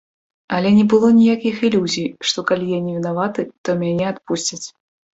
Але не было ніякіх ілюзій, што калі я не вінаваты, то мяне адпусцяць.